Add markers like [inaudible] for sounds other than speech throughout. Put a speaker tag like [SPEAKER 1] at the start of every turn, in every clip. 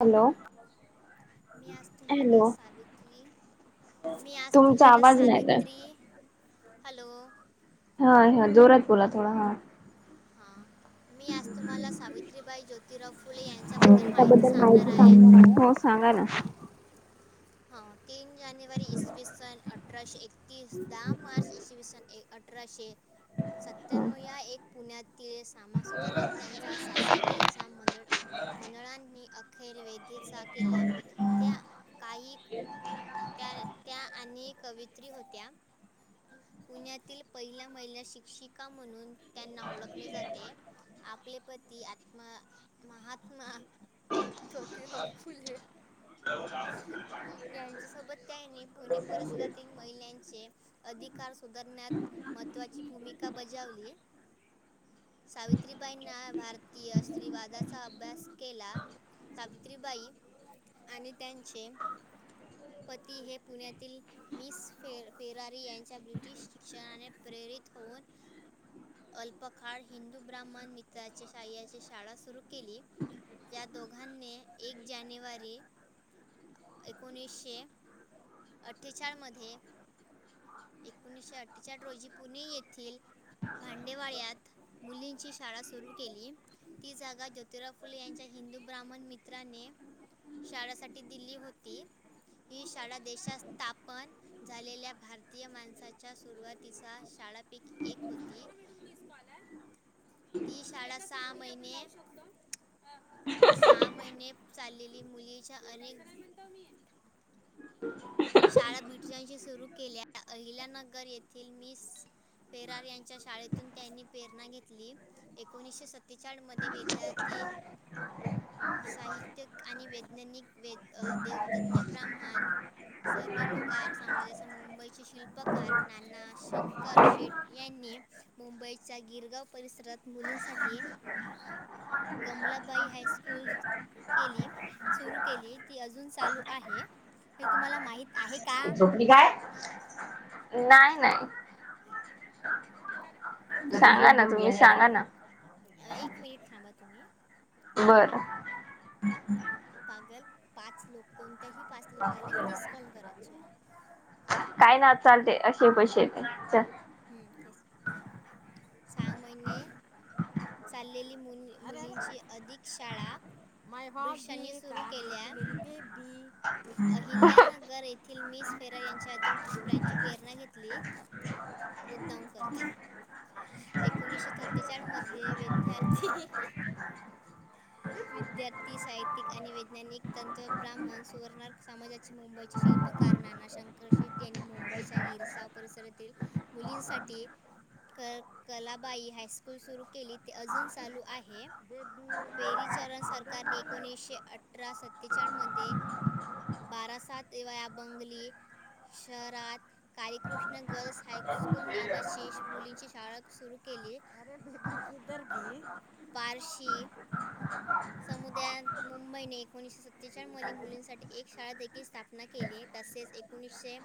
[SPEAKER 1] Hello.
[SPEAKER 2] मी आज तुम्हाला सावित्री मी आज
[SPEAKER 1] तुमचा
[SPEAKER 2] तुम्हाला
[SPEAKER 1] आवाज नाही येत
[SPEAKER 2] सावित्री
[SPEAKER 1] आहे
[SPEAKER 2] हॅलो.
[SPEAKER 1] हा हा, जोरात बोला थोडं हां.
[SPEAKER 2] हा. मी आज तुम्हाला सावित्रीबाई ज्योतिराव फुले यांच्याबद्दल माहिती सांगणार आहे.
[SPEAKER 1] सांगा ना.
[SPEAKER 2] ह तीन जानेवारी इसवी सन अठराशे एकतीस, दहा मार्च इसवी सन एक आठ अठराशे.
[SPEAKER 1] हो सांगा ना
[SPEAKER 2] सत्यानव या एक पुण्यातील सामासुदारक त्यांचा सासर त्यांचा मंदळ. मंडळांनी अखेर वेधेचा, केला त्या काही.
[SPEAKER 1] [inaudible]
[SPEAKER 2] त्या त्या, आणि कवित्री होत्या. पुण्यातील पहिल्या महिला शिक्षिका म्हणून त्यांना ओळखले जाते. आपले पती आत्मा महात्मा. ज्योतीराव फुले. जाच्या सोबत त्यांनी पुणे परिसरातील. महिलांचे अधिकार सुधारण्यात महत्त्वाची भूमिका बजावली. सावित्रीबाईंना भारतीय स्त्रीवादाचा अभ्यास. केला सावित्रीबाई आणि त्यांचे. पती हे पुण्यातील मिस फेरारी यांचे. ब्रिटिश शिक्षणाने प्रेरित होऊन. अल्पकाळ हिंदू ब्राह्मण मित्राच्या शह्याची शाळा सुरू केली. या दोघांनी एक जानेवारी एकोणीसशे अठ्ठेचाळ मध्ये एकोणीसशे अठ्ठेचाळ रोजी पुणे येथील भांडेवाड्यात मुलींची शाळा सुरू केली ती जागा ज्योतिराव फुले यां च्या हिंदू ब्राह्मण मित्राने शाळासाठी दिली होती. ही शाळा देशात स्थापन झालेल्या भार तीय माणसाच्या सुरुवातीचा शाळा पीक एक होती ती शाळा सहा महिने सहा महिने चाललेली मुलीच्या अनेक शाळा बीटनशी सुरू केल्या. अ अहिल्या नगर येथील मिस फेरार यांच्या शाळेतून त्यांनी प्रेरणा घेतली. एकोणीसशे सत्तेचाळ मध्ये विद्यार्थी साहित्यिक आणि वैज्ञानिक व देवदजञ ब्राह्मण. सर्व नुकार सामाजाचा मुंबई ची शिल्पकार नाना शंकर शेट यांनी मुंबईच्या गिरगाव परिसरात मुलींसाठी कमलाबाई हायस्कूल केली सुरू केली ती अजून चालू आहे. हे तुम्हाला माहित आहे का?
[SPEAKER 1] हे काय? नाही नाही सांगा ना तुम्ही. सांगा ना.
[SPEAKER 2] अ एक मिनिट थांबा तुम्ही.
[SPEAKER 1] बरं.
[SPEAKER 2] पागल पाच लोक कोणतेही पाच लोकाले तीस कॉल करायची आहे.
[SPEAKER 1] काय ना चालते असे पैशे येते.
[SPEAKER 2] हम्म तेच सहा महिने. चाललेली मुलींची अधिक शाळा माय हॉबी सुरू केल्या मेरी बेबी. अहिल्यानगर येथील मिस फेरार यांच्या अजून कप्रांची प्रेरणा घेतली. मुद्दाम करतेय. एकोणीसशे सत्तेचाळ मध्ये विद्यार्थी विद्यार्थी साहित्यिक आणि वैज्ञानिक तंतव ब्राह्मण सुवर्णक समाजाचे मुंबईचे शिल प कारणना शंकर शेट यांनी मुंबईच्या गिरसाव परिसरातील मुलींसाठी क कलाबाई हायस्कूल सुरू केली ते अजून चालू आहे बेबी. पेरी चरण सरकारने एकोणीसशे अठरा सत्तेचाळ मध्ये. बारासात एवया बंगली शहरात कालीकृष्ण गर्ल्स हाय स्कूल नावाची मुलींची शाळा सुरू केली. विदर्बी पारशी समुदायात मुंबईने एकोणीसशे सत्तेचाळीस मली मुलींसाठी एक शाळा देखील स्थापना केली तसेच एकोणीसशे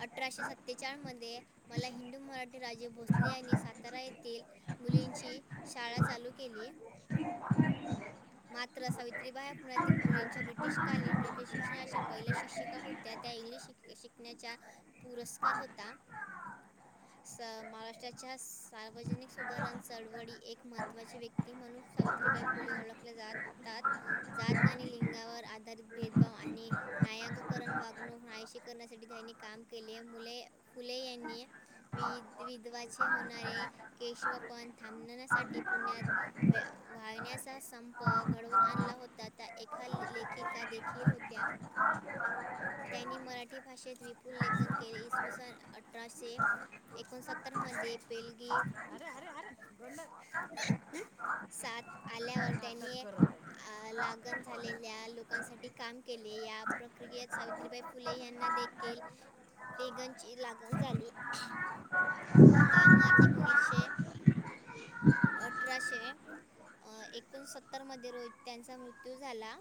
[SPEAKER 2] अठराशे सत्तेचाळ मध्ये मला हिंदू मराठी राजे भोसले आणि सातारा येथील मुलींची शाळा चालू केली. मात्र सावित्रीबाह्या पुण्यातील मुलींच्या ब्रिटिशकालीन ब्रिटिश शिक्षणाच्या पहिल्या शिक्षिका होत्या त्या इंग्लिश शिक क शिकण्याच्या पुरस्कार होता. स महाराष्ट्राच्या सार्वजनिक सुधारण चळवळी एक महत्त्वाची व्यक्ती म्हणून सावित्रीबाई फुले ओळखले जात तात जात आणि लिंगावर आधारित भेदभाव आणि नायाकरण वागणूक नाहीशी करण्यासाठी त्यांनी काम केले मुले फुले यांनी विध विधवाचे होणारे केशवपण थांबण्यासाठी पुण्यात व्या वाहण्याचा संप घडवून आणला होता त्या एखा लेखिका देखील होत्या. त्यांनी मराठी भाषेत विपुल लेखन केले इसवी सन अठराशे एकोणसत्तर मध्ये पेलगी अरे अरे अरे गंड. साथ आल्यावर त्यांनी लागण झालेल्या लोकांसाठी काम केले या प्रक्रियेत सावित्रीबाई फुले यांना देखील तिघांची लगण झाली.
[SPEAKER 1] हम्.
[SPEAKER 2] दहा मार्च एकोणीसशे अठराशे. आ एकोणसत्तर मध्ये रोहित त्यांचा मृत्यू झाला.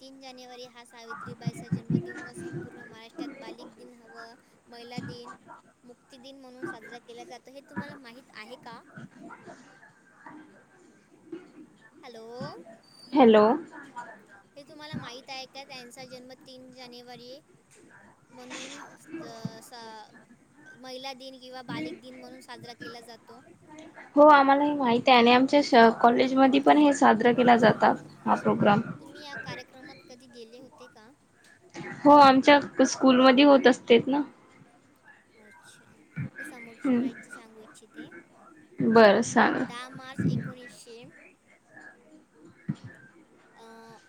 [SPEAKER 2] तीन जानेवारी हा सावित्रीबाईचा जन्दिन म संपूर्ण महाराष्ट्रात बालिक दिन हवा. महिला दिन मुक्ती दिन म्हणून साजरा केला जातो हे तुम्हाला माहीत आहे का? हॅलो.
[SPEAKER 1] हॅलो.
[SPEAKER 2] हे तुम्हाला माहित आहे का त्यांचा जन्म तीन जानेवारी म्हणून त सा महिला दिन किंवा बालिक दिन म्हणून साजरा केला जातो.
[SPEAKER 1] हो आम्हाला हे माहित आहे आणि आमच्या कॉलेजमध्ये पण हे साजरा केला जातात. हा प्रोग्रम
[SPEAKER 2] तुम्ही या कार्यक्रमात कधी गेले होते का?
[SPEAKER 1] हो आमच्या स्कूलमध्ये होत असते ना.
[SPEAKER 2] अच्छा. मी समोरची
[SPEAKER 1] हम्म
[SPEAKER 2] माहिती सांगू इच्छिते
[SPEAKER 1] बरं सांगा
[SPEAKER 2] दहा मार्च एक उणीसशे.
[SPEAKER 1] अ्.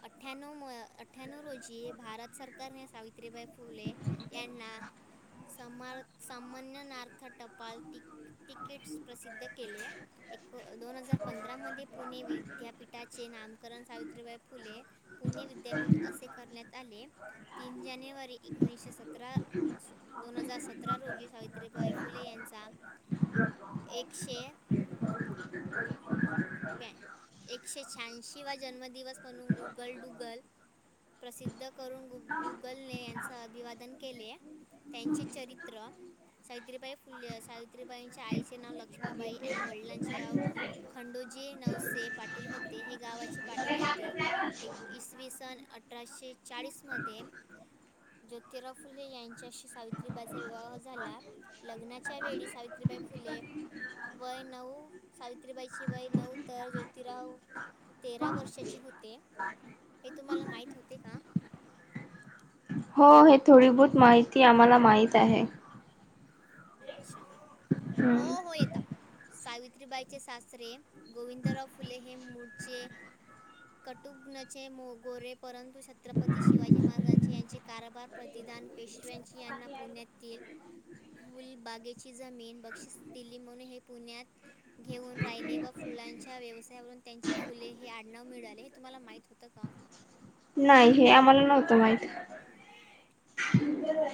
[SPEAKER 2] अठ्ठ्याण्णव म अठ्ठ्याण्णव रोजी भारत सरकारने सावित्रीबाई फुले यांना सम समनजन्थ टपाल तिकीट्स प्रसिद्ध केले आहे. एक दोन हजार पंधरामध्येध्ये पुणे विद्यापीठाचे नामकरण सावित सावित्रीबाई फुले पुणे विद्यापीठ असे करण्यात आले. तीन जानेवारी एकोणीसशे सतरा दोन हजार सतरा रोजी सावित्रीबाई फुले यांचा एकशे. एकशे शहाऐंशी वा जन्मदिवस पण गुगलडुगल. प्रसिद्ध करून गुगलने यांचे अभिवादन केलेय. त्यांचे चरित्र सावित्रीबाई फुले सावित्रीबाईच्या आईचे नाव लक्ष्ममीबाई आणि वडिलांचे गाव खंडोजे नवसे पाटील होते हे गावाचे पाटील होते एक इसवी सन अठराशे चाळीस मध्ये ज्योतिराव फुले यांच्याशी सावित्रीबाईचा विवाह झाला लग्नाच्या वेळी सावित्रीबाई फुले
[SPEAKER 1] अ.
[SPEAKER 2] वय नऊ सावित्रीबाईची वय नऊ तर ज्योतिराव ते वर्षाची होते हे तुम्हाला माहित होते का?
[SPEAKER 1] हो हे थोडी बहत माहिती आम्हाला माहित आहे.
[SPEAKER 2] अच्छा हो
[SPEAKER 1] हम्म
[SPEAKER 2] हो येता. सावित्रीबाईचे सासरे गोविंदराव फुले हे मूळचे कटुघ्नचे मोगोरे परंतु छत्रपती शिवाजी महाराजांचे यांचे कारभार प्रतिधान पेशव्यांची यांना पुण्याततील मुलबागेची जमीन बक्षिस दिली म्हणून हे पुण्यात घेऊन राहिले व फुलांच्या व्यवसायावरून त्यांचे फुले हे आडनाव मिळाले हे तुम्हाला माहित होतं का?
[SPEAKER 1] नाही हे आम्हाला नव्हतं माहित
[SPEAKER 2] गदी.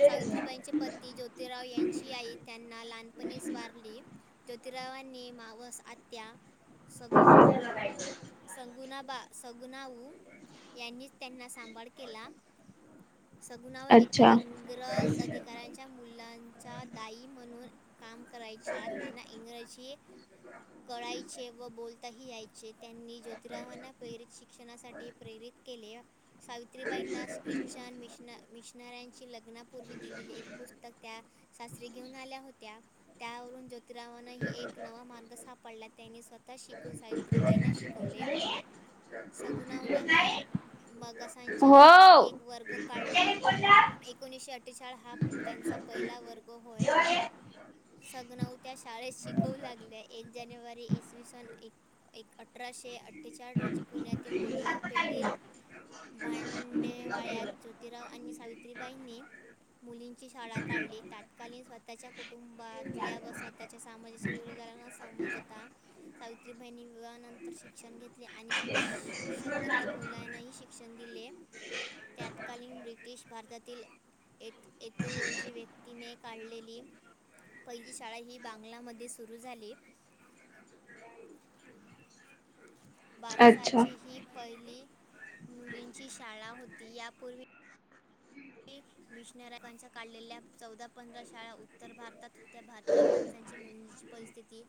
[SPEAKER 2] सावित्रीबाईंचे पती ज्योतिराव यांची आई त्यांना लहानपणीच वारली ज्योतिरावांनी मावस आत्या सगु संगुणाबा सगुणाऊ यांनीच त्यांना सांभाळ केला सगुणाव एका
[SPEAKER 1] अच्छा
[SPEAKER 2] इंग्रज अधिकाऱ्यांच्या मुलांचा दाई म्हणून काम करायच्या त्यांना इंग्रजी कळायचे व बोलताही याय चे त्यांनी ज्योतिरावांना प्रेरित शिक्षणासाठी प्रेरित केले सावित्रीबाईंनास ख्रिश्चन मिशन मिशनाऱ्यांची लग्नापूर्वी दिलेली एक पुस्तक त्या सासरी घेऊन आल्या होत्या त्यावरून जो तरावान ह एक नवा मार्ग सापडला त्यांनी स्वतः शिकून सावित्रीबाईंना शिकवले सगुणावने मा मगासांच्या वस्तीत
[SPEAKER 1] हो
[SPEAKER 2] एक वर्ग काढला एकोणीसशे अठ्ठेचाळी हा त्यांचा पहिला वर्ग होय सगनाऊ त्या शाळेत शिकवू लागल्या एक जानेवारी इसवी सन एक अठराशे अठ्ठेचाळी रोजी पुण्यातील बुधवार पेटेल भांडेवाळ्यात ज्योतिराव आणि सावित् त्रि बाईंनी मुलींची शाळा काढली तातकालीन स्वतःच्या कुटुंबातल्या व स्वतःच्या सामाजिकारांना समजता सावित्री बाईनी विवाहानंतर शिक्षण घेतले आणि शिक् शिक्षक इतर मुलांनाही शिक क्षण दिले त्यात्कालीन ब्रिटिश भारतातील एक एतीऐवजी व्यक्तीने काढलेली पहिली शाळा ही बांगलामध्ये सु रु झाली
[SPEAKER 1] [unintelligible] अच्छा
[SPEAKER 2] बारसाची ही पहिली मुलींची शाळा होती यापुर्वी वी मिशनरकांच्या काढलेल्या चौदा पंधरा शाळा उत्तर भारतात त्या भारतीय माणसांची मुलीची परिस्थिती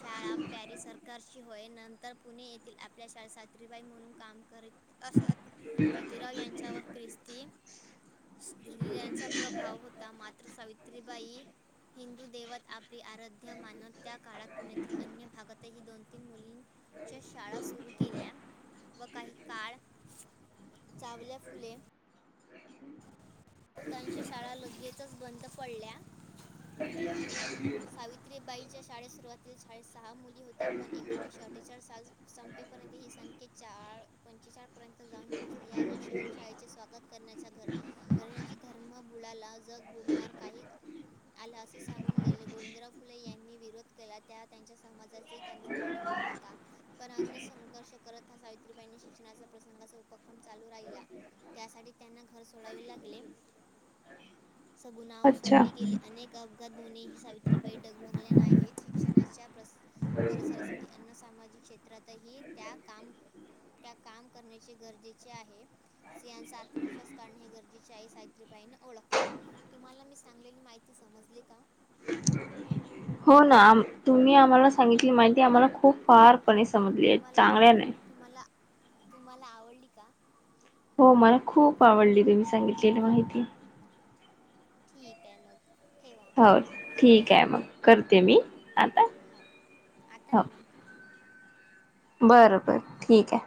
[SPEAKER 2] शाळा पॅरिस सरकारची हो होय नंतर पुणे येथील आपल्या शाळेत सात्रीबाई म्हणून काम करीत असत ज्योतिराव यांच्यावर ख्रिस्ती स्त्रियांच्या प्रभाव होता मात्र सावित्रीबाई हिंदू देवत आपली आराध्य मानत त्या काळात पुण्यातील अन्य भागातही दोन तीन मुलीं च्या शाळा सुरू केल्या व काही काळ चावल्या फुले उतांची शाळा लगेचच बंद पडल्या
[SPEAKER 1] ह.
[SPEAKER 2] सावित्रीबाई च्या शाळेत सुरुवाती शाळेत सहा मुल ले होतया पण एकोणीशे अठ्ठचाळी साल संपेपर्यंत ही संखे चाळ पंचेचाळ पर्यंत जान पोहोचली यशस्वी शाळे ची स्वागत करण्याचा घर घरण्या धर्म बुलाला जग बुडणार काही. आला असे सांगून गेले गोविंदराव फुले यांनी विरोध केला त्या त्यांच्या समाजाचा त्यांचा पाठिंबा नव्हता परांगणे संघर्ष करत हा सावित्रीबाईंनी शिक्षणाच्या प्रसंगाचा उप पण चालू राहिला त्यासाठी त्यांना घर सोडावे लागले सगुनाव
[SPEAKER 1] अच्छा
[SPEAKER 2] सोडली गेली अनेक अपघात दोन्ही सावित त्रि बाई डगमगल्या नाहीत शिक्षणाच्या प्रसा परिसरासाठी यांना सामाजिक क्षेत्रातही त्या काम, त्या काम करण्याचे गरजेचे आहे स्रीयांचा आत्मविश्वास करणे हे गरजेचे आई सावित्रीबाईने ओळखले तुम्हाला मी सांगलेली माहिती तू समजले का
[SPEAKER 1] हो ना तुम्ही आम्हाला सांगितली माहिती आम्हाला खूप फार पणे समजली
[SPEAKER 2] तुम्हाला
[SPEAKER 1] चांगल्या नाई
[SPEAKER 2] तुम्हाला -तुम्हाला आवडली का?
[SPEAKER 1] हो मला खूप आवडली, तुम्ही सांगितलेली माहिती.
[SPEAKER 2] ठीक आहे, मग ठेवा.
[SPEAKER 1] हो ठीक आहे मग, करते मी
[SPEAKER 2] हो
[SPEAKER 1] आता
[SPEAKER 2] हो आता
[SPEAKER 1] हो.
[SPEAKER 2] नाही नंतर
[SPEAKER 1] बर बर ठीक आहे.